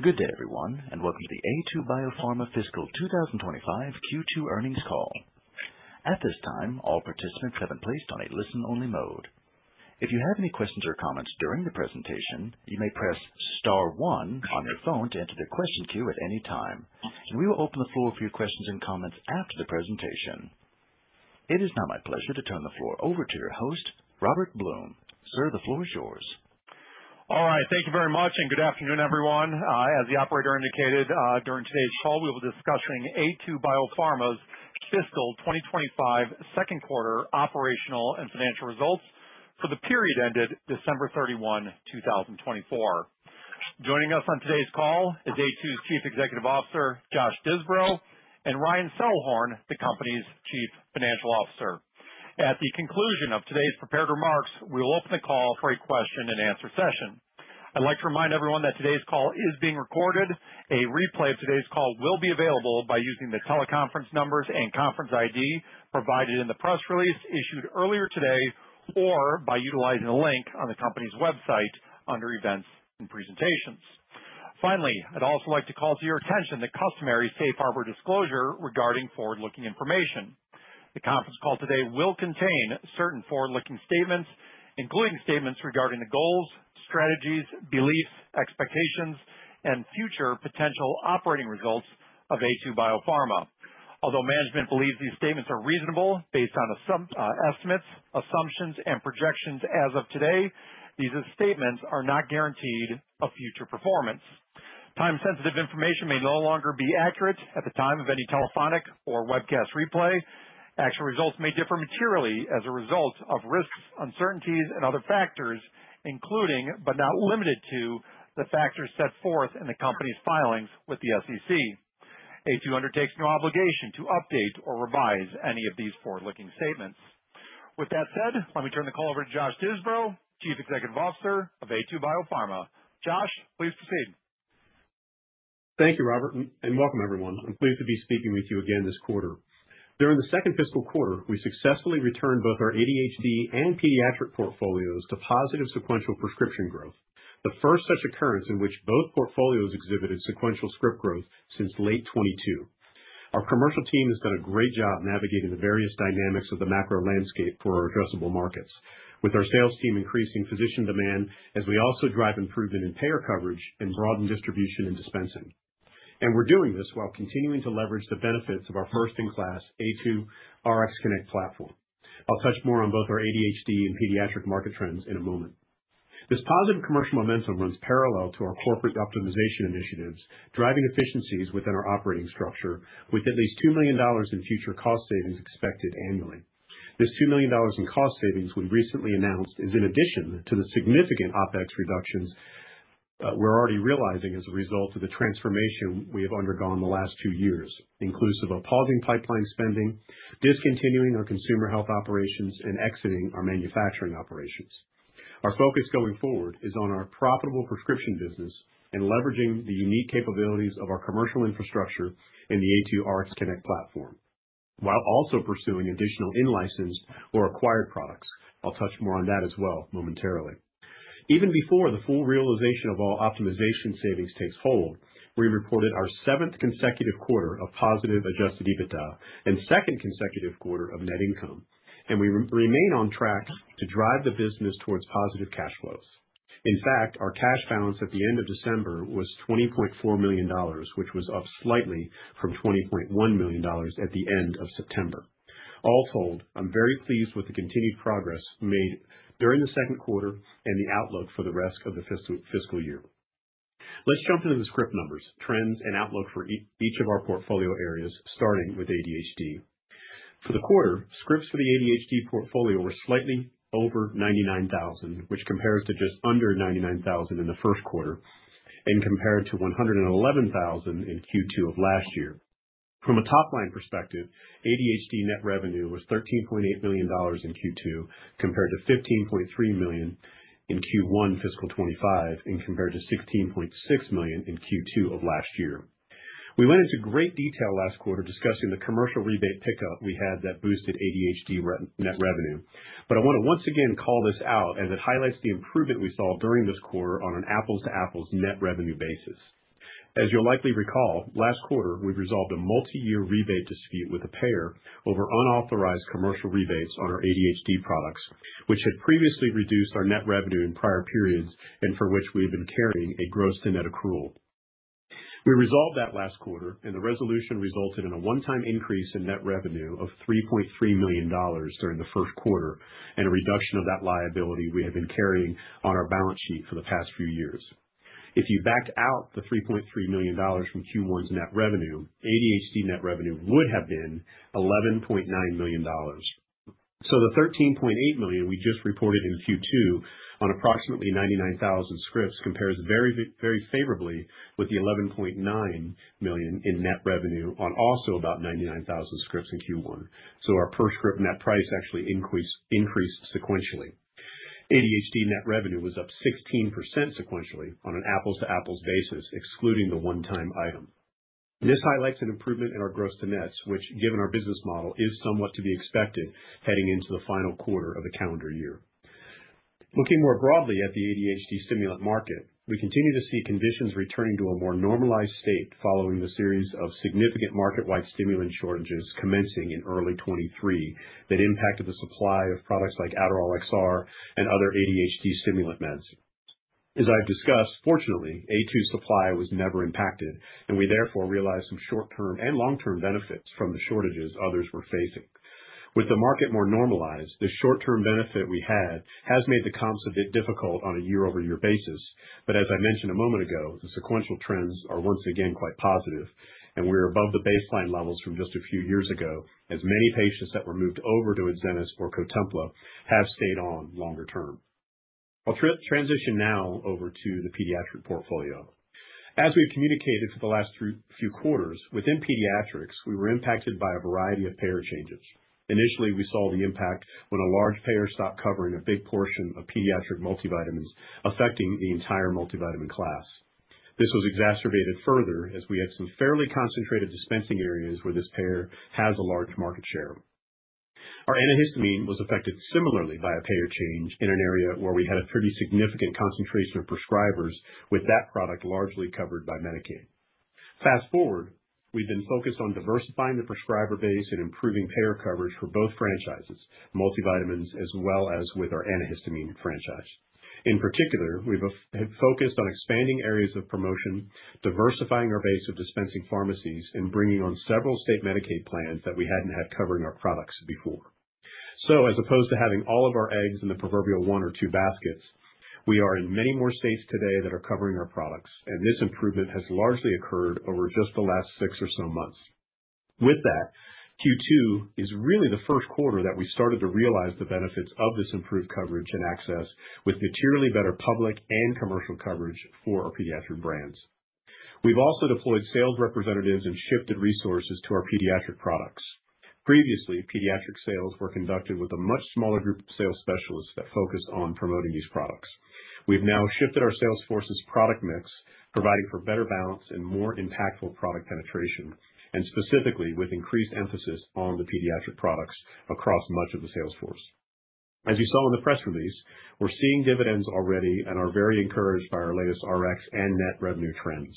Good day, everyone, and welcome to the Aytu BioPharma Fiscal 2025 Q2 earnings call. At this time, all participants have been placed on a listen-only mode. If you have any questions or comments during the presentation, you may press Star one on your phone to enter the question queue at any time, and we will open the floor for your questions and comments after the presentation. It is now my pleasure to turn the floor over to your host, Robert Blum. Sir, the floor is yours. All right. Thank you very much, and good afternoon, everyone. As the operator indicated, during today's call, we will be discussing Aytu BioPharma's fiscal 2025 second quarter operational and financial results for the period ended December 31, 2024. Joining us on today's call is Aytu's Chief Executive Officer, Josh Disbrow, and Ryan Selhorn, the company's Chief Financial Officer. At the conclusion of today's prepared remarks, we will open the call for a question-and-answer session. I'd like to remind everyone that today's call is being recorded. A replay of today's call will be available by using the teleconference numbers and conference ID provided in the press release issued earlier today or by utilizing the link on the company's website under Events and Presentations. Finally, I'd also like to call to your attention the customary safe harbor disclosure regarding forward-looking information. The conference call today will contain certain forward-looking statements, including statements regarding the goals, strategies, beliefs, expectations, and future potential operating results of Aytu BioPharma. Although management believes these statements are reasonable based on estimates, assumptions, and projections as of today, these statements are not guarantees of future performance. Time-sensitive information may no longer be accurate at the time of any telephonic or webcast replay. Actual results may differ materially as a result of risks, uncertainties, and other factors, including, but not limited to, the factors set forth in the company's filings with the SEC. Aytu undertakes no obligation to update or revise any of these forward-looking statements. With that said, let me turn the call over to Josh Disbrow, Chief Executive Officer of Aytu BioPharma. Josh, please proceed. Thank you, Robert, and welcome, everyone. I'm pleased to be speaking with you again this quarter. During the second fiscal quarter, we successfully returned both our ADHD and pediatric portfolios to positive sequential prescription growth, the first such occurrence in which both portfolios exhibited sequential script growth since late 2022. Our commercial team has done a great job navigating the various dynamics of the macro landscape for our addressable markets, with our sales team increasing physician demand as we also drive improvement in payer coverage and broaden distribution and dispensing. We are doing this while continuing to leverage the benefits of our first-in-class Aytu RxConnect platform. I'll touch more on both our ADHD and pediatric market trends in a moment. This positive commercial momentum runs parallel to our corporate optimization initiatives, driving efficiencies within our operating structure, with at least $2 million in future cost savings expected annually. This $2 million in cost savings we recently announced is in addition to the significant OPEX reductions we're already realizing as a result of the transformation we have undergone the last two years, inclusive of pausing pipeline spending, discontinuing our consumer health operations, and exiting our manufacturing operations. Our focus going forward is on our profitable prescription business and leveraging the unique capabilities of our commercial infrastructure in the Aytu RxConnect platform, while also pursuing additional in-licensed or acquired products. I'll touch more on that as well momentarily. Even before the full realization of all optimization savings takes hold, we reported our seventh consecutive quarter of positive adjusted EBITDA and second consecutive quarter of net income, and we remain on track to drive the business towards positive cash flows. In fact, our cash balance at the end of December was $20.4 million, which was up slightly from $20.1 million at the end of September. All told, I'm very pleased with the continued progress made during the second quarter and the outlook for the rest of the fiscal year. Let's jump into the script numbers, trends, and outlook for each of our portfolio areas, starting with ADHD. For the quarter, scripts for the ADHD portfolio were slightly over 99,000, which compares to just under 99,000 in the first quarter and compared to 111,000 in Q2 of last year. From a top-line perspective, ADHD net revenue was $13.8 million in Q2, compared to $15.3 million in Q1 fiscal 2025, and compared to $16.6 million in Q2 of last year. We went into great detail last quarter discussing the commercial rebate pickup we had that boosted ADHD net revenue, but I want to once again call this out as it highlights the improvement we saw during this quarter on an apples-to-apples net revenue basis. As you'll likely recall, last quarter, we resolved a multi-year rebate dispute with a payer over unauthorized commercial rebates on our ADHD products, which had previously reduced our net revenue in prior periods and for which we had been carrying a gross to net accrual. We resolved that last quarter, and the resolution resulted in a one-time increase in net revenue of $3.3 million during the first quarter and a reduction of that liability we had been carrying on our balance sheet for the past few years. If you backed out the $3.3 million from Q1's net revenue, ADHD net revenue would have been $11.9 million. The $13.8 million we just reported in Q2 on approximately 99,000 scripts compares very favorably with the $11.9 million in net revenue on also about 99,000 scripts in Q1. Our per-script net price actually increased sequentially. ADHD net revenue was up 16% sequentially on an apples-to-apples basis, excluding the one-time item. This highlights an improvement in our gross to nets, which, given our business model, is somewhat to be expected heading into the final quarter of the calendar year. Looking more broadly at the ADHD stimulant market, we continue to see conditions returning to a more normalized state following the series of significant market-wide stimulant shortages commencing in early 2023 that impacted the supply of products like Adderall XR and other ADHD stimulant meds. As I've discussed, fortunately, Aytu's supply was never impacted, and we therefore realized some short-term and long-term benefits from the shortages others were facing. With the market more normalized, the short-term benefit we had has made the comps a bit difficult on a year-over-year basis, but as I mentioned a moment ago, the sequential trends are once again quite positive, and we're above the baseline levels from just a few years ago as many patients that were moved over to Adzenys or Cotempla have stayed on longer term. I'll transition now over to the pediatric portfolio. As we've communicated for the last few quarters, within pediatrics, we were impacted by a variety of payer changes. Initially, we saw the impact when a large payer stopped covering a big portion of pediatric multivitamins affecting the entire multivitamin class. This was exacerbated further as we had some fairly concentrated dispensing areas where this payer has a large market share. Our antihistamine was affected similarly by a payer change in an area where we had a pretty significant concentration of prescribers, with that product largely covered by Medicaid. Fast forward, we've been focused on diversifying the prescriber base and improving payer coverage for both franchises, multivitamins, as well as with our antihistamine franchise. In particular, we've focused on expanding areas of promotion, diversifying our base of dispensing pharmacies, and bringing on several state Medicaid plans that we hadn't had covering our products before. As opposed to having all of our eggs in the proverbial one or two baskets, we are in many more states today that are covering our products, and this improvement has largely occurred over just the last six or so months. With that, Q2 is really the first quarter that we started to realize the benefits of this improved coverage and access with materially better public and commercial coverage for our pediatric brands. We've also deployed sales representatives and shifted resources to our pediatric products. Previously, pediatric sales were conducted with a much smaller group of sales specialists that focused on promoting these products. We've now shifted our sales force's product mix, providing for better balance and more impactful product penetration, and specifically with increased emphasis on the pediatric products across much of the sales force. As you saw in the press release, we're seeing dividends already and are very encouraged by our latest Rx and net revenue trends.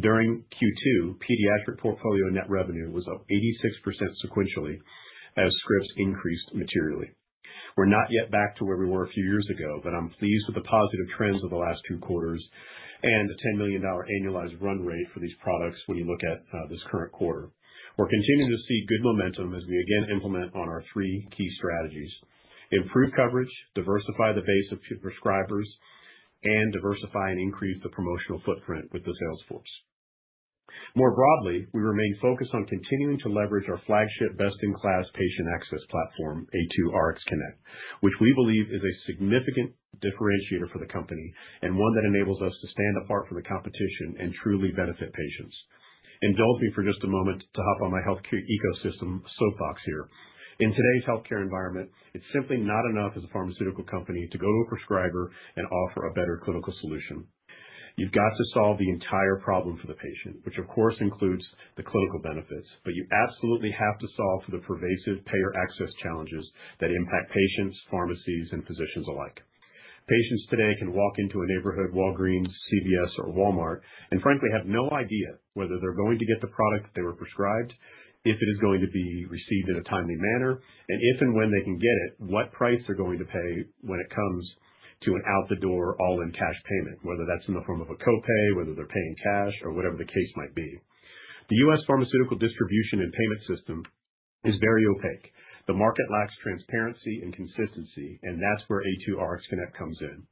During Q2, pediatric portfolio net revenue was up 86% sequentially as scripts increased materially. We're not yet back to where we were a few years ago, but I'm pleased with the positive trends of the last two quarters and the $10 million annualized run rate for these products when you look at this current quarter. We're continuing to see good momentum as we again implement on our three key strategies: improve coverage, diversify the base of prescribers, and diversify and increase the promotional footprint with the sales force. More broadly, we remain focused on continuing to leverage our flagship best-in-class patient access platform, Aytu RxConnect, which we believe is a significant differentiator for the company and one that enables us to stand apart from the competition and truly benefit patients. Indulge me for just a moment to hop on my healthcare ecosystem soapbox here. In today's healthcare environment, it's simply not enough as a pharmaceutical company to go to a prescriber and offer a better clinical solution. You've got to solve the entire problem for the patient, which, of course, includes the clinical benefits, but you absolutely have to solve for the pervasive payer access challenges that impact patients, pharmacies, and physicians alike. Patients today can walk into a neighborhood Walgreens, CVS, or Walmart and, frankly, have no idea whether they're going to get the product they were prescribed, if it is going to be received in a timely manner, and if and when they can get it, what price they're going to pay when it comes to an out-the-door, all-in cash payment, whether that's in the form of a copay, whether they're paying cash, or whatever the case might be. The U.S. pharmaceutical distribution and payment system is very opaque. The market lacks transparency and consistency, and that's where Aytu RxConnect comes in.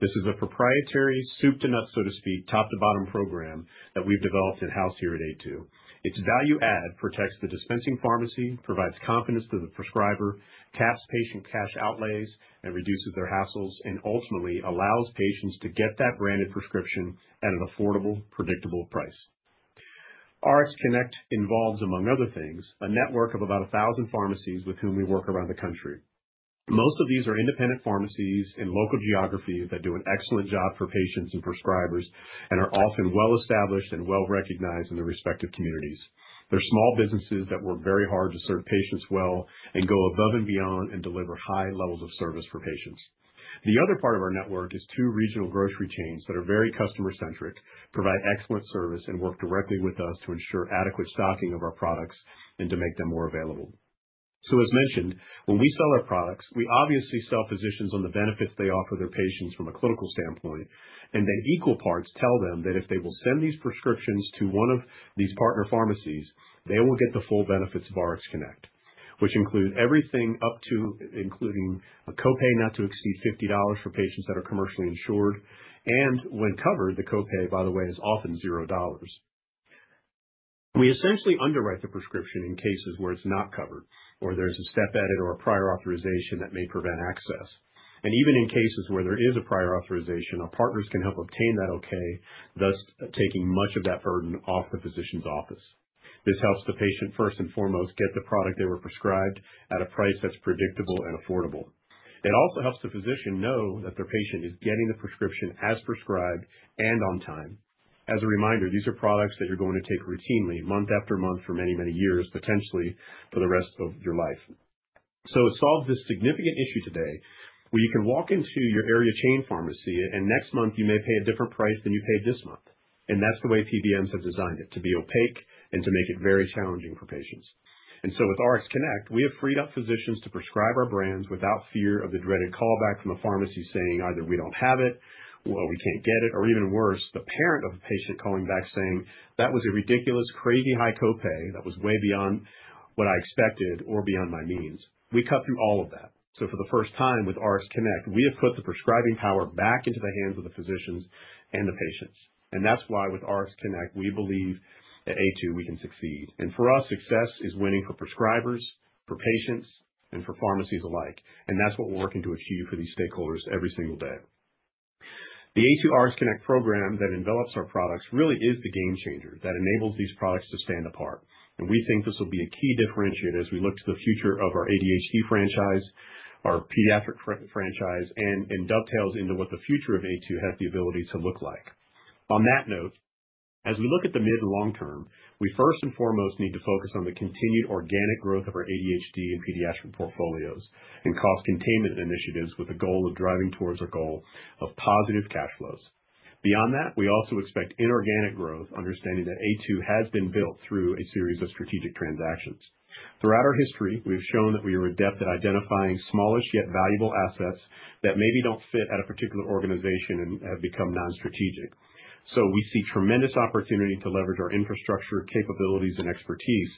This is a proprietary soup-to-nuts, so to speak, top-to-bottom program that we've developed in-house here at Aytu. Its value-add protects the dispensing pharmacy, provides confidence to the prescriber, caps patient cash outlays, and reduces their hassles, and ultimately allows patients to get that branded prescription at an affordable, predictable price. RxConnect involves, among other things, a network of about 1,000 pharmacies with whom we work around the country. Most of these are independent pharmacies in local geographies that do an excellent job for patients and prescribers and are often well-established and well-recognized in their respective communities. They're small businesses that work very hard to serve patients well and go above and beyond and deliver high levels of service for patients. The other part of our network is two regional grocery chains that are very customer-centric, provide excellent service, and work directly with us to ensure adequate stocking of our products and to make them more available. As mentioned, when we sell our products, we obviously sell physicians on the benefits they offer their patients from a clinical standpoint, and then equal parts tell them that if they will send these prescriptions to one of these partner pharmacies, they will get the full benefits of RxConnect, which includes everything up to including a copay not to exceed $50 for patients that are commercially insured, and when covered, the copay, by the way, is often $0. We essentially underwrite the prescription in cases where it's not covered or there's a step edit or a prior authorization that may prevent access. Even in cases where there is a prior authorization, our partners can help obtain that okay, thus taking much of that burden off the physician's office. This helps the patient, first and foremost, get the product they were prescribed at a price that's predictable and affordable. It also helps the physician know that their patient is getting the prescription as prescribed and on time. As a reminder, these are products that you're going to take routinely month after month for many, many years, potentially for the rest of your life. It solves this significant issue today where you can walk into your area chain pharmacy and next month you may pay a different price than you paid this month, and that's the way PBMs have designed it to be opaque and to make it very challenging for patients. With RxConnect, we have freed up physicians to prescribe our brands without fear of the dreaded callback from a pharmacy saying either we do not have it, we cannot get it, or even worse, the parent of a patient calling back saying that was a ridiculous, crazy high copay that was way beyond what I expected or beyond my means. We cut through all of that. For the first time with RxConnect, we have put the prescribing power back into the hands of the physicians and the patients. That is why with RxConnect, we believe at Aytu we can succeed. For us, success is winning for prescribers, for patients, and for pharmacies alike, and that is what we are working to achieve for these stakeholders every single day. The Aytu RxConnect program that envelops our products really is the game changer that enables these products to stand apart, and we think this will be a key differentiator as we look to the future of our ADHD franchise, our pediatric franchise, and dovetails into what the future of Aytu has the ability to look like. On that note, as we look at the mid and long term, we first and foremost need to focus on the continued organic growth of our ADHD and pediatric portfolios and cost containment initiatives with the goal of driving towards our goal of positive cash flows. Beyond that, we also expect inorganic growth, understanding that Aytu has been built through a series of strategic transactions. Throughout our history, we have shown that we are adept at identifying smallish yet valuable assets that maybe don't fit at a particular organization and have become non-strategic. We see tremendous opportunity to leverage our infrastructure, capabilities, and expertise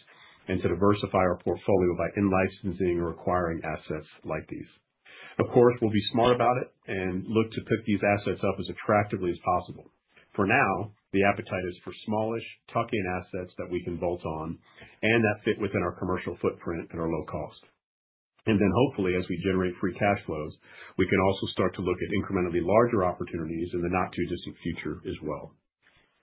and to diversify our portfolio by in-licensing or acquiring assets like these. Of course, we'll be smart about it and look to pick these assets up as attractively as possible. For now, the appetite is for smallish, tuck-in assets that we can bolt on and that fit within our commercial footprint and our low cost. Hopefully, as we generate free cash flows, we can also start to look at incrementally larger opportunities in the not-too-distant future as well.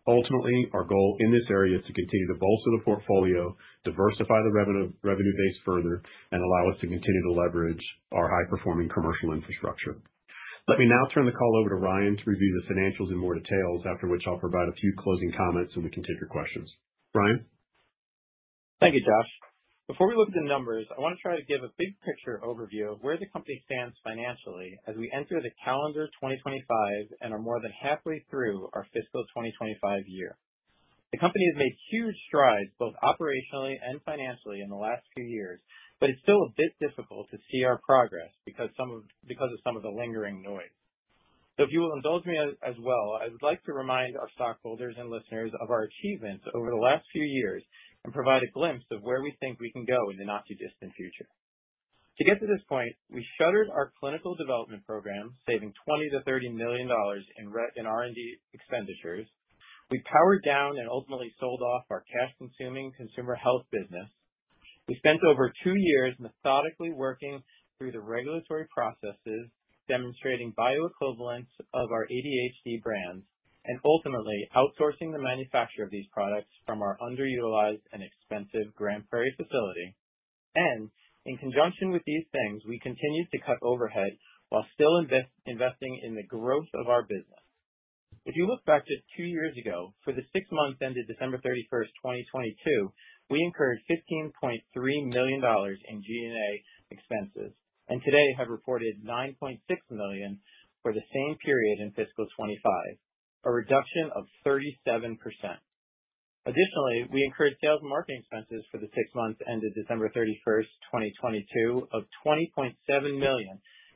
Ultimately, our goal in this area is to continue to bolster the portfolio, diversify the revenue base further, and allow us to continue to leverage our high-performing commercial infrastructure. Let me now turn the call over to Ryan to review the financials in more detail, after which I'll provide a few closing comments and we can take your questions. Ryan. Thank you, Josh. Before we look at the numbers, I want to try to give a big picture overview of where the company stands financially as we enter the calendar 2025 and are more than halfway through our fiscal 2025 year. The company has made huge strides both operationally and financially in the last few years, but it's still a bit difficult to see our progress because of some of the lingering noise. If you will indulge me as well, I would like to remind our stockholders and listeners of our achievements over the last few years and provide a glimpse of where we think we can go in the not-too-distant future. To get to this point, we shuttered our clinical development program, saving $20-$30 million in R&D expenditures. We powered down and ultimately sold off our cash-consuming consumer health business. We spent over two years methodically working through the regulatory processes, demonstrating bioequivalence of our ADHD brands, and ultimately outsourcing the manufacture of these products from our underutilized and expensive Grand Prairie facility. In conjunction with these things, we continued to cut overhead while still investing in the growth of our business. If you look back to two years ago, for the six months ended December 31, 2022, we incurred $15.3 million in G&A expenses and today have reported $9.6 million for the same period in fiscal 2025, a reduction of 37%. Additionally, we incurred sales and marketing expenses for the six months ended December 31, 2022, of $20.7 million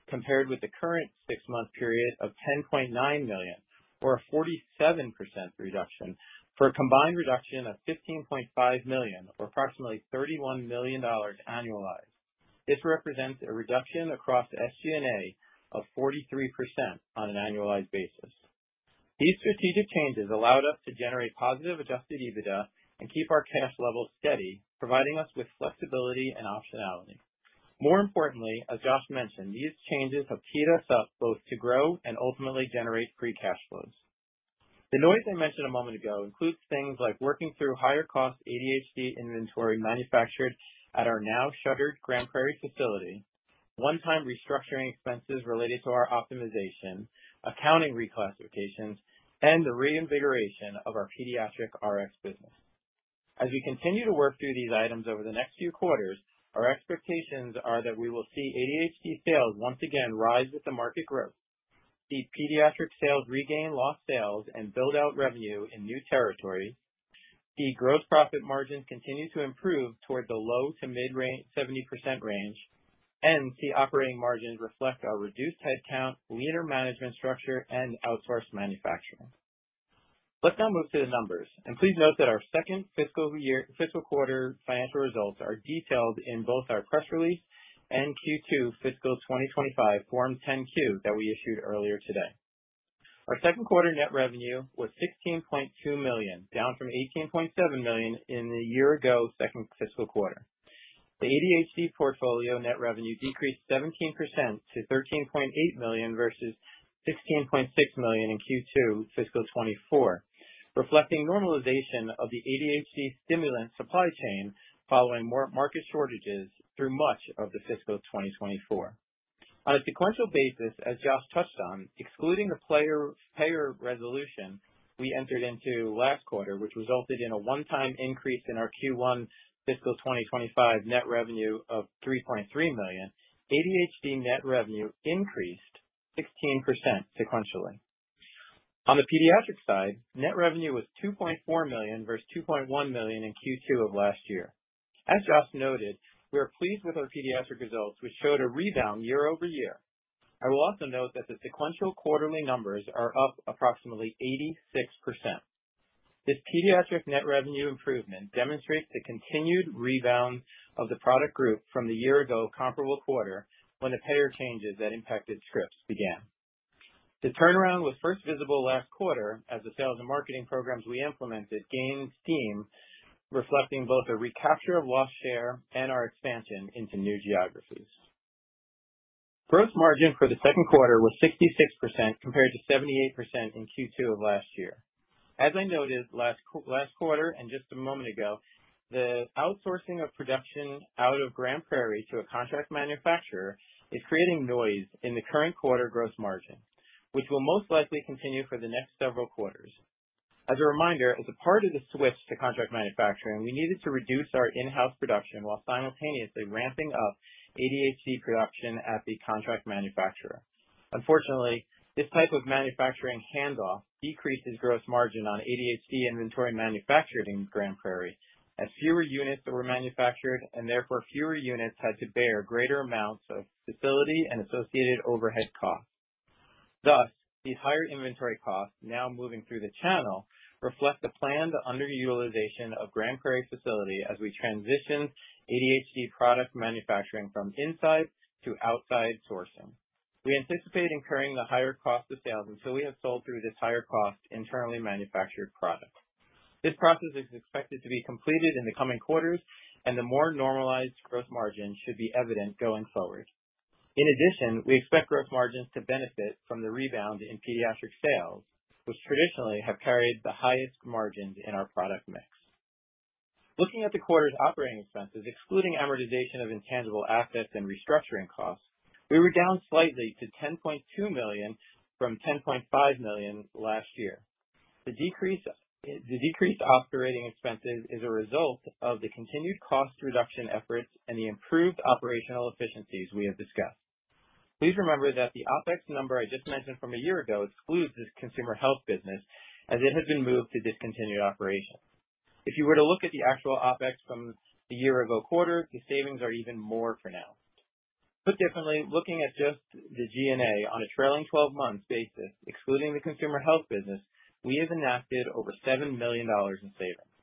compared with the current six-month period of $10.9 million, or a 47% reduction for a combined reduction of $15.5 million, or approximately $31 million annualized. This represents a reduction across SG&A of 43% on an annualized basis. These strategic changes allowed us to generate positive adjusted EBITDA and keep our cash level steady, providing us with flexibility and optionality. More importantly, as Josh mentioned, these changes have teed us up both to grow and ultimately generate free cash flows. The noise I mentioned a moment ago includes things like working through higher-cost ADHD inventory manufactured at our now-shuttered Grand Prairie facility, one-time restructuring expenses related to our optimization, accounting reclassifications, and the reinvigoration of our pediatric Rx business. As we continue to work through these items over the next few quarters, our expectations are that we will see ADHD sales once again rise with the market growth, see pediatric sales regain lost sales, and build out revenue in new territory, see gross profit margins continue to improve toward the low to mid-70% range, and see operating margins reflect our reduced headcount, leaner management structure, and outsourced manufacturing. Let's now move to the numbers, and please note that our second fiscal quarter financial results are detailed in both our press release and Q2 fiscal 2025 Form 10-Q that we issued earlier today. Our second quarter net revenue was $16.2 million, down from $18.7 million in the year-ago second fiscal quarter. The ADHD portfolio net revenue decreased 17% to $13.8 million versus $16.6 million in Q2 fiscal 2024, reflecting normalization of the ADHD stimulant supply chain following market shortages through much of fiscal 2024. On a sequential basis, as Josh touched on, excluding the payer resolution we entered into last quarter, which resulted in a one-time increase in our Q1 fiscal 2025 net revenue of $3.3 million, ADHD net revenue increased 16% sequentially. On the pediatric side, net revenue was $2.4 million versus $2.1 million in Q2 of last year. As Josh noted, we are pleased with our pediatric results, which showed a rebound year over year. I will also note that the sequential quarterly numbers are up approximately 86%. This pediatric net revenue improvement demonstrates the continued rebound of the product group from the year-ago comparable quarter when the payer changes that impacted scripts began. The turnaround was first visible last quarter as the sales and marketing programs we implemented gained steam, reflecting both a recapture of lost share and our expansion into new geographies. Gross margin for the second quarter was 66% compared to 78% in Q2 of last year. As I noted last quarter and just a moment ago, the outsourcing of production out of Grand Prairie to a contract manufacturer is creating noise in the current quarter gross margin, which will most likely continue for the next several quarters. As a reminder, as a part of the switch to contract manufacturing, we needed to reduce our in-house production while simultaneously ramping up ADHD production at the contract manufacturer. Unfortunately, this type of manufacturing handoff decreased its gross margin on ADHD inventory manufactured in Grand Prairie as fewer units were manufactured and therefore fewer units had to bear greater amounts of facility and associated overhead costs. Thus, these higher inventory costs now moving through the channel reflect the planned underutilization of Grand Prairie facility as we transitioned ADHD product manufacturing from inside to outside sourcing. We anticipate incurring the higher cost of sales until we have sold through this higher-cost internally manufactured product. This process is expected to be completed in the coming quarters, and the more normalized gross margin should be evident going forward. In addition, we expect gross margins to benefit from the rebound in pediatric sales, which traditionally have carried the highest margins in our product mix. Looking at the quarter's operating expenses, excluding amortization of intangible assets and restructuring costs, we were down slightly to $10.2 million from $10.5 million last year. The decreased operating expenses is a result of the continued cost reduction efforts and the improved operational efficiencies we have discussed. Please remember that the OpEx number I just mentioned from a year ago excludes this consumer health business as it has been moved to discontinued operations. If you were to look at the actual OpEx from the year-ago quarter, the savings are even more pronounced. Put differently, looking at just the G&A on a trailing 12-month basis, excluding the consumer health business, we have enacted over $7 million in savings.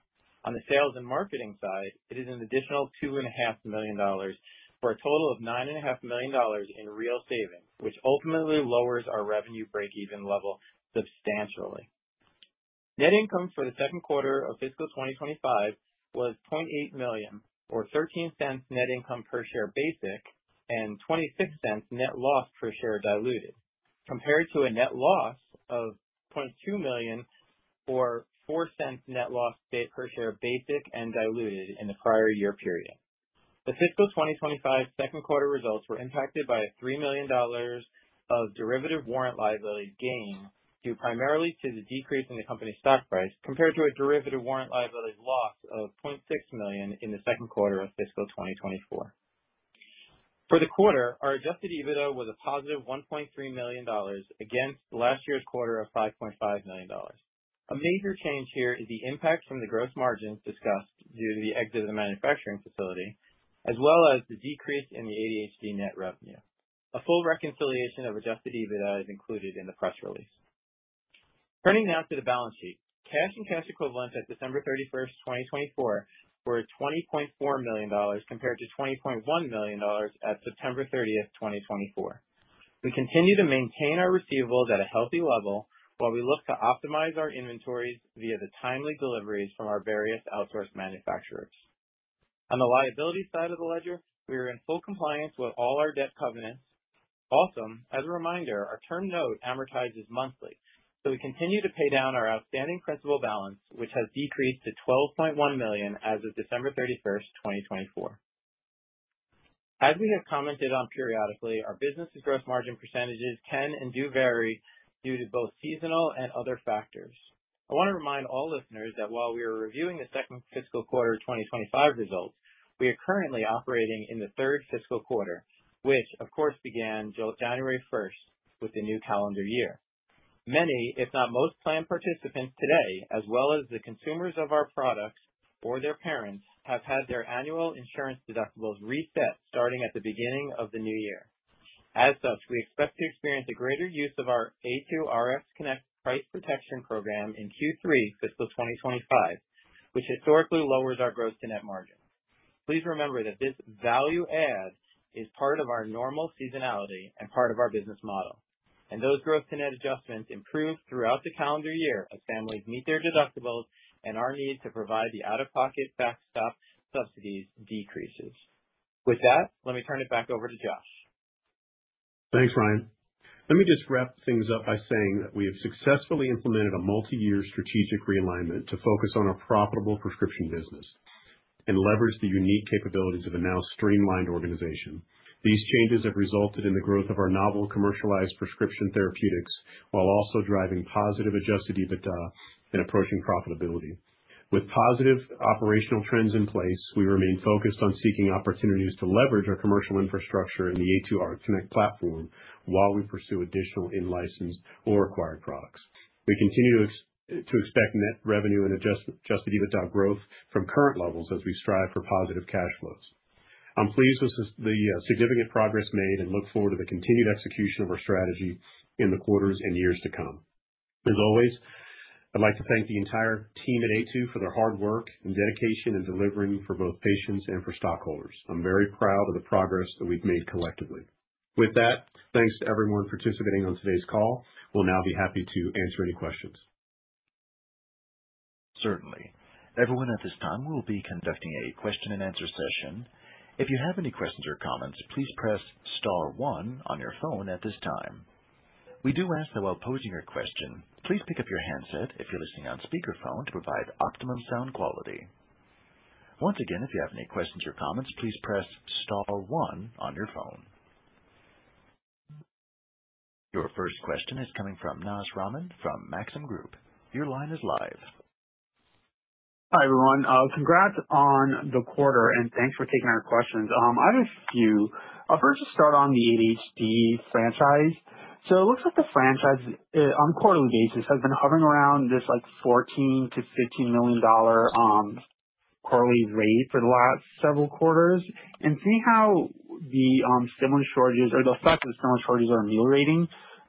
On the sales and marketing side, it is an additional $2.5 million for a total of $9.5 million in real savings, which ultimately lowers our revenue break-even level substantially. Net income for the second quarter of fiscal 2025 was $0.8 million, or 13 cents net income per share basic and 26 cents net loss per share diluted, compared to a net loss of $0.2 million, or 4 cents net loss per share basic and diluted in the prior year period. The fiscal 2025 second quarter results were impacted by $3 million of derivative warrant liability gain due primarily to the decrease in the company's stock price compared to a derivative warrant liability loss of $0.6 million in the second quarter of fiscal 2024. For the quarter, our adjusted EBITDA was a positive $1.3 million against last year's quarter of $5.5 million. A major change here is the impact from the gross margins discussed due to the exit of the manufacturing facility, as well as the decrease in the ADHD net revenue. A full reconciliation of adjusted EBITDA is included in the press release. Turning now to the balance sheet, cash and cash equivalents at December 31, 2024, were $20.4 million compared to $20.1 million at September 30, 2024. We continue to maintain our receivables at a healthy level while we look to optimize our inventories via the timely deliveries from our various outsourced manufacturers. On the liability side of the ledger, we are in full compliance with all our debt covenants. Also, as a reminder, our term note amortizes monthly, so we continue to pay down our outstanding principal balance, which has decreased to $12.1 million as of December 31, 2024. As we have commented on periodically, our business's gross margin percentages can and do vary due to both seasonal and other factors. I want to remind all listeners that while we are reviewing the second fiscal quarter 2025 results, we are currently operating in the third fiscal quarter, which, of course, began January 1 with the new calendar year. Many, if not most, planned participants today, as well as the consumers of our products or their parents, have had their annual insurance deductibles reset starting at the beginning of the new year. As such, we expect to experience a greater use of our Aytu RxConnect price protection program in Q3 fiscal 2025, which historically lowers our gross-to-net margin. Please remember that this value add is part of our normal seasonality and part of our business model, and those gross-to-net adjustments improve throughout the calendar year as families meet their deductibles and our need to provide the out-of-pocket backstop subsidies decreases. With that, let me turn it back over to Josh. Thanks, Ryan. Let me just wrap things up by saying that we have successfully implemented a multi-year strategic realignment to focus on a profitable prescription business and leverage the unique capabilities of a now streamlined organization. These changes have resulted in the growth of our novel commercialized prescription therapeutics while also driving positive adjusted EBITDA and approaching profitability. With positive operational trends in place, we remain focused on seeking opportunities to leverage our commercial infrastructure in the Aytu RxConnect platform while we pursue additional in-licensed or acquired products. We continue to expect net revenue and adjusted EBITDA growth from current levels as we strive for positive cash flows. I'm pleased with the significant progress made and look forward to the continued execution of our strategy in the quarters and years to come. As always, I'd like to thank the entire team at Aytu for their hard work and dedication in delivering for both patients and for stockholders. I'm very proud of the progress that we've made collectively. With that, thanks to everyone participating on today's call. We'll now be happy to answer any questions. Certainly. Everyone at this time will be conducting a question-and-answer session. If you have any questions or comments, please press Star one on your phone at this time. We do ask that while posing your question, please pick up your handset if you're listening on speakerphone to provide optimum sound quality. Once again, if you have any questions or comments, please press Star one on your phone. Your first question is coming from Naz Rahman from Maxim Group. Your line is live. Hi everyone. Congrats on the quarter, and thanks for taking our questions. I have a few. I'll first just start on the ADHD franchise. It looks like the franchise on a quarterly basis has been hovering around this $14-$15 million quarterly rate for the last several quarters. Seeing how the similar shortages or the effect of similar shortages on meal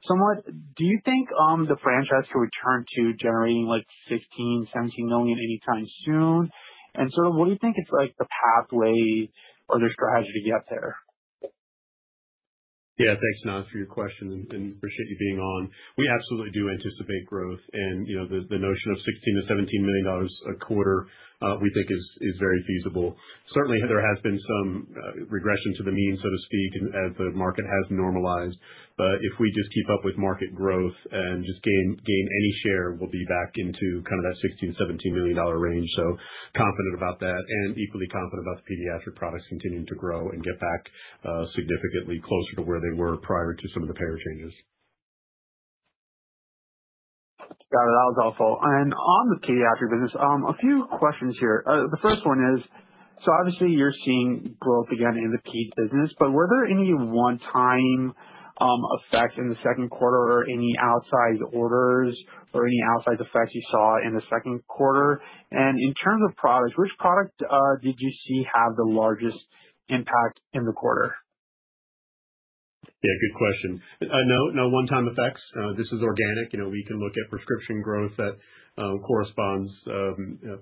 rating somewhat, do you think the franchise could return to generating $16-$17 million anytime soon? What do you think is the pathway or their strategy to get there? Yeah, thanks, Naz, for your question, and appreciate you being on. We absolutely do anticipate growth, and the notion of $16-$17 million a quarter we think is very feasible. Certainly, there has been some regression to the mean, so to speak, as the market has normalized. If we just keep up with market growth and just gain any share, we'll be back into kind of that $16-$17 million range. Confident about that and equally confident about the pediatric products continuing to grow and get back significantly closer to where they were prior to some of the payer changes. Got it. That was helpful. On the pediatric business, a few questions here. The first one is, obviously you're seeing growth again in the peds business, but were there any one-time effects in the second quarter or any outside orders or any outside effects you saw in the second quarter? In terms of products, which product did you see have the largest impact in the quarter? Yeah, good question. No, no one-time effects. This is organic. We can look at prescription growth that corresponds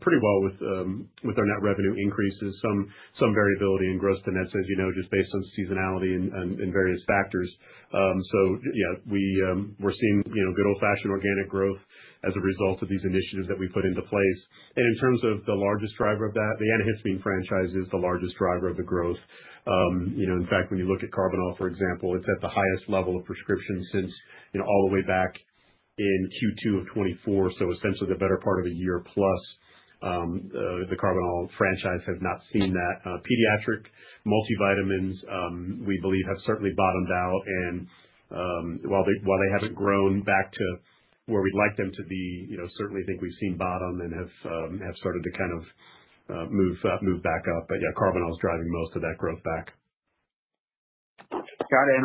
pretty well with our net revenue increases, some variability in gross to net, as you know, just based on seasonality and various factors. Yeah, we're seeing good old-fashioned organic growth as a result of these initiatives that we put into place. In terms of the largest driver of that, the antihistamine franchise is the largest driver of the growth. In fact, when you look at Karbinal ER, for example, it's at the highest level of prescription since all the way back in Q2 of 2024, so essentially the better part of a year plus the Karbinal ER franchise has not seen that. Pediatric multivitamins, we believe, have certainly bottomed out. While they haven't grown back to where we'd like them to be, certainly I think we've seen bottom and have started to kind of move back up. Yeah, Karbinal ER is driving most of that growth back. Got it.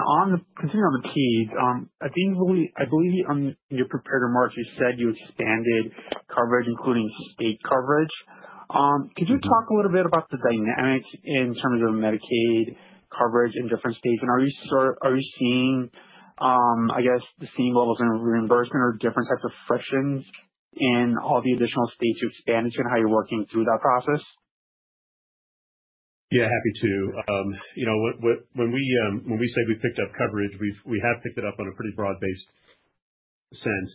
Continuing on the peds, I believe in your prepared remarks, you said you expanded coverage, including state coverage. Could you talk a little bit about the dynamics in terms of Medicaid coverage in different states? Are you seeing, I guess, the same levels in reimbursement or different types of frictions in all the additional states you expanded to and how you're working through that process? Yeah, happy to. When we say we picked up coverage, we have picked it up on a pretty broad-based sense.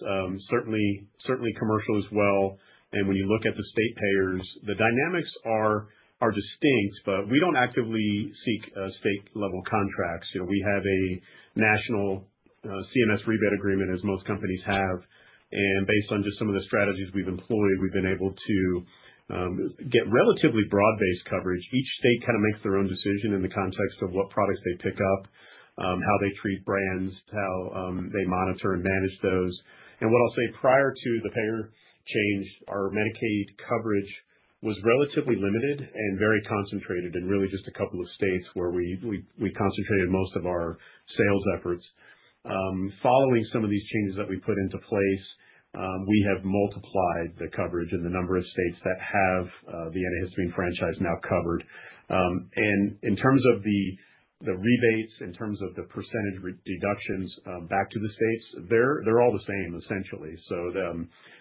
Certainly commercial as well. When you look at the state payers, the dynamics are distinct, but we do not actively seek state-level contracts. We have a national CMS rebate agreement, as most companies have. Based on just some of the strategies we have employed, we have been able to get relatively broad-based coverage. Each state kind of makes their own decision in the context of what products they pick up, how they treat brands, how they monitor and manage those. What I will say prior to the payer change, our Medicaid coverage was relatively limited and very concentrated in really just a couple of states where we concentrated most of our sales efforts. Following some of these changes that we put into place, we have multiplied the coverage and the number of states that have the antihistamine franchise now covered. In terms of the rebates, in terms of the percentage deductions back to the states, they're all the same, essentially.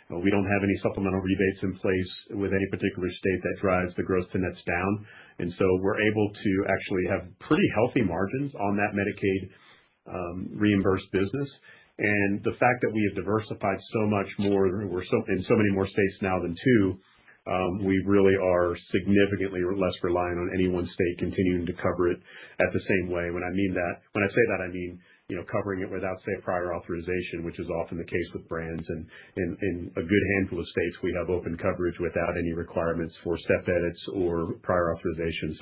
We don't have any supplemental rebates in place with any particular state that drives the gross-to-nets down. We are able to actually have pretty healthy margins on that Medicaid reimbursed business. The fact that we have diversified so much more and we're in so many more states now than two, we really are significantly less reliant on any one state continuing to cover it at the same way. When I say that, I mean covering it without, say, prior authorization, which is often the case with brands. In a good handful of states, we have open coverage without any requirements for step edits or prior authorization.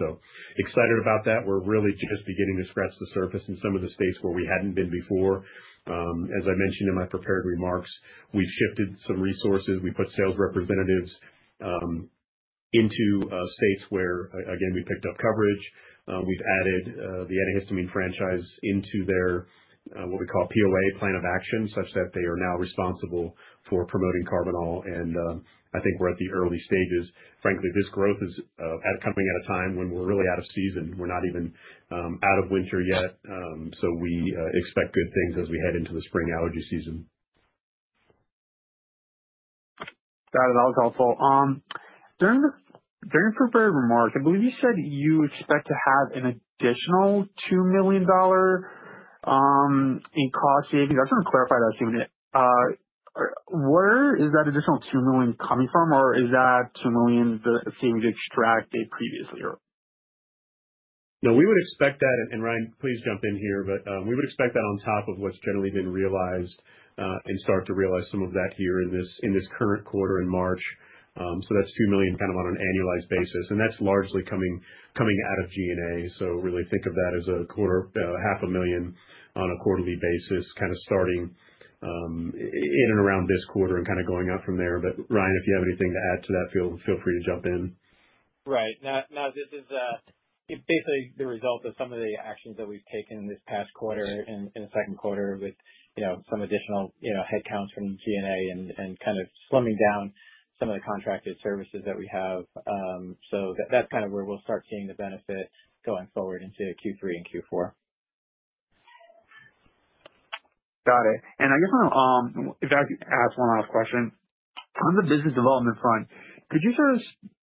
Excited about that. We're really just beginning to scratch the surface in some of the states where we hadn't been before. As I mentioned in my prepared remarks, we've shifted some resources. We put sales representatives into states where, again, we picked up coverage. We've added the antihistamine franchise into their, what we call, POA plan of action, such that they are now responsible for promoting Karbinal ER. I think we're at the early stages. Frankly, this growth is coming at a time when we're really out of season. We're not even out of winter yet. We expect good things as we head into the spring allergy season. Got it. That was helpful. During your prepared remarks, I believe you said you expect to have an additional $2 million in cost savings. I just want to clarify that statement. Where is that additional $2 million coming from, or is that $2 million the savings you extracted previously? No, we would expect that, and Ryan, please jump in here, but we would expect that on top of what has generally been realized and start to realize some of that here in this current quarter in March. That is $2 million kind of on an annualized basis. That is largely coming out of G&A. Really think of that as a quarter, $500,000 on a quarterly basis, kind of starting in and around this quarter and going out from there. Ryan, if you have anything to add to that, feel free to jump in. Right. Now, this is basically the result of some of the actions that we've taken in this past quarter and the second quarter with some additional headcounts from G&A and kind of slimming down some of the contracted services that we have. That is kind of where we'll start seeing the benefit going forward into Q3 and Q4. Got it. I guess I'll ask one last question. On the business development front, could you sort of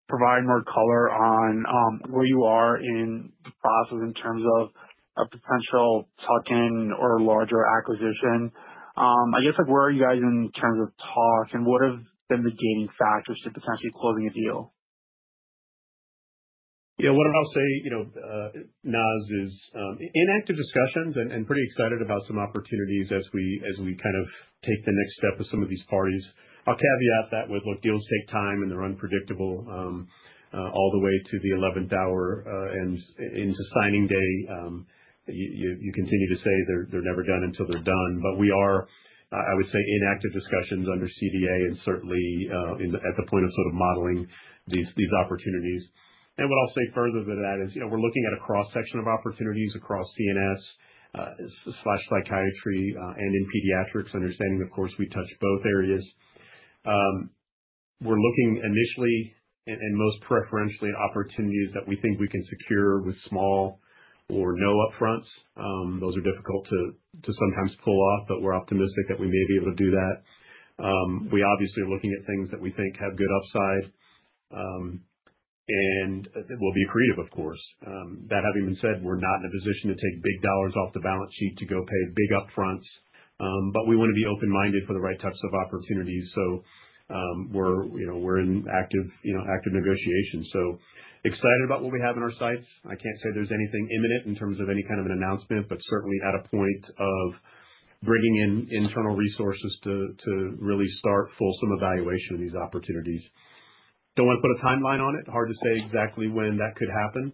provide more color on where you are in the process in terms of a potential tuck-in or larger acquisition? I guess where are you guys in terms of talk, and what have been the gating factors to potentially closing a deal? Yeah, what I'll say, Naz, is in active discussions and pretty excited about some opportunities as we kind of take the next step with some of these parties. I'll caveat that with, look, deals take time, and they're unpredictable all the way to the 11th hour and into signing day. You continue to say they're never done until they're done. We are, I would say, in active discussions under CDA and certainly at the point of sort of modeling these opportunities. What I'll say further to that is we're looking at a cross-section of opportunities across CNS/psychiatry and in pediatrics, understanding, of course, we touch both areas. We're looking initially and most preferentially at opportunities that we think we can secure with small or no upfronts. Those are difficult to sometimes pull off, but we're optimistic that we may be able to do that. We obviously are looking at things that we think have good upside, and we'll be creative, of course. That having been said, we're not in a position to take big dollars off the balance sheet to go pay big upfronts. We want to be open-minded for the right types of opportunities. We're in active negotiations. Excited about what we have in our sights. I can't say there's anything imminent in terms of any kind of an announcement, but certainly at a point of bringing in internal resources to really start fulsome evaluation of these opportunities. Don't want to put a timeline on it. Hard to say exactly when that could happen.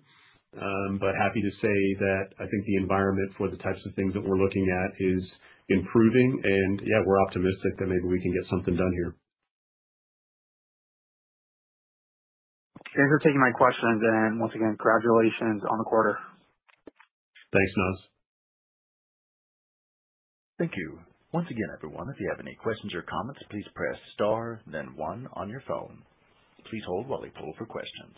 Happy to say that I think the environment for the types of things that we're looking at is improving. Yeah, we're optimistic that maybe we can get something done here. Thanks for taking my questions. Once again, congratulations on the quarter. Thanks, Naz. Thank you. Once again, everyone, if you have any questions or comments, please press star, then 1 on your phone. Please hold while we poll for questions.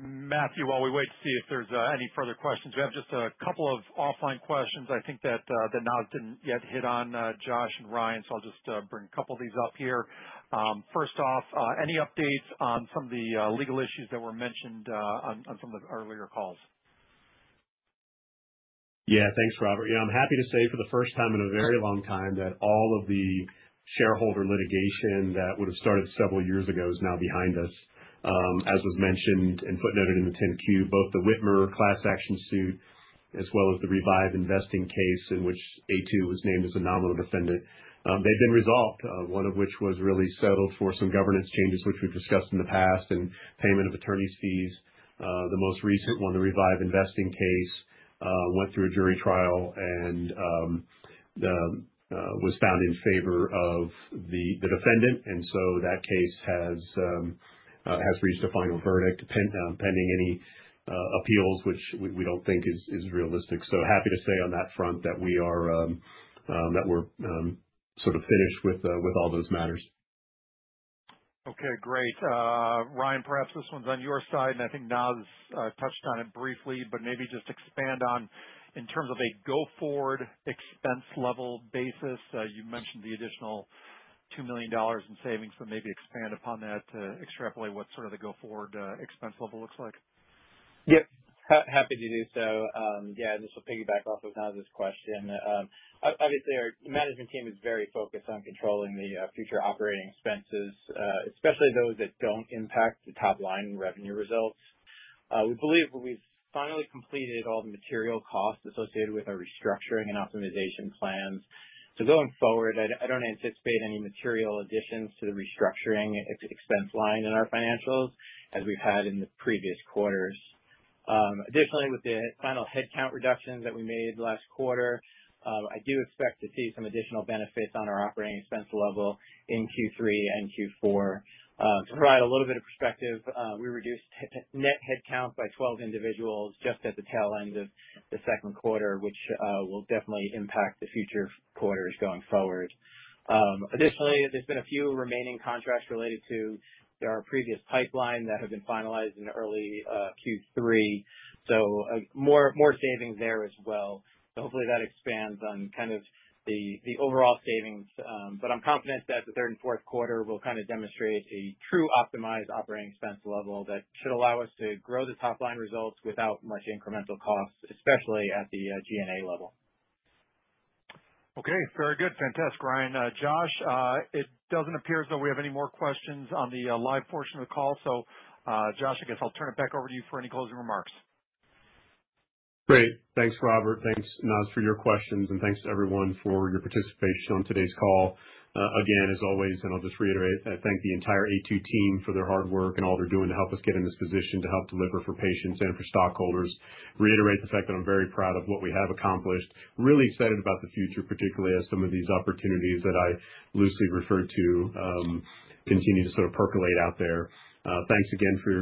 Matthew, while we wait to see if there's any further questions, we have just a couple of offline questions. I think that Naz didn't yet hit on Josh and Ryan, so I'll just bring a couple of these up here. First off, any updates on some of the legal issues that were mentioned on some of the earlier calls? Yeah, thanks, Robert. Yeah, I'm happy to say for the first time in a very long time that all of the shareholder litigation that would have started several years ago is now behind us. As was mentioned and footnoted in the 10-Q, both the Witmer class action suit as well as the Revive Investing case in which Aytu was named as a nominal defendant, they've been resolved, one of which was really settled for some governance changes, which we've discussed in the past, and payment of attorney's fees. The most recent one, the Revive Investing case, went through a jury trial and was found in favor of the defendant. That case has reached a final verdict pending any appeals, which we don't think is realistic. Happy to say on that front that we are that we're sort of finished with all those matters. Okay, great. Ryan, perhaps this one's on your side, and I think Naz touched on it briefly, but maybe just expand on in terms of a go-forward expense level basis. You mentioned the additional $2 million in savings, but maybe expand upon that to extrapolate what sort of the go-forward expense level looks like. Yep. Happy to do so. Yeah, this will piggyback off of Naz's question. Obviously, our management team is very focused on controlling the future operating expenses, especially those that do not impact the top-line revenue results. We believe we have finally completed all the material costs associated with our restructuring and optimization plans. Going forward, I do not anticipate any material additions to the restructuring expense line in our financials as we have had in the previous quarters. Additionally, with the final headcount reductions that we made last quarter, I do expect to see some additional benefits on our operating expense level in Q3 and Q4. To provide a little bit of perspective, we reduced net headcount by 12 individuals just at the tail end of the second quarter, which will definitely impact the future quarters going forward. Additionally, there's been a few remaining contracts related to our previous pipeline that have been finalized in early Q3. More savings there as well. Hopefully that expands on kind of the overall savings. I'm confident that the third and fourth quarter will kind of demonstrate a true optimized operating expense level that should allow us to grow the top-line results without much incremental costs, especially at the G&A level. Okay. Very good. Fantastic. Ryan, Josh, it doesn't appear as though we have any more questions on the live portion of the call. Josh, I guess I'll turn it back over to you for any closing remarks. Great. Thanks, Robert. Thanks, Naz, for your questions. Thanks to everyone for your participation on today's call. Again, as always, I thank the entire Aytu team for their hard work and all they're doing to help us get in this position to help deliver for patients and for stockholders. Reiterate the fact that I'm very proud of what we have accomplished. Really excited about the future, particularly as some of these opportunities that I loosely referred to continue to sort of percolate out there. Thanks again for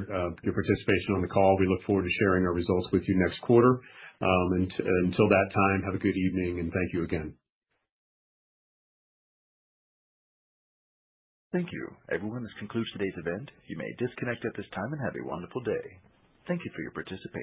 your participation on the call. We look forward to sharing our results with you next quarter. Until that time, have a good evening. Thank you again. Thank you. Everyone, this concludes today's event. You may disconnect at this time and have a wonderful day. Thank you for your participation.